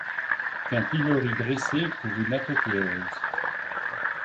Qu'un pilori dressé pour une apothéose